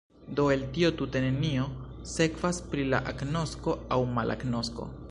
Do el tio tute nenio sekvas pri la agnosko aŭ malagnosko.